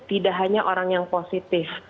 tidak hanya orang yang positif